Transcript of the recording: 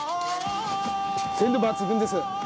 鮮度抜群です。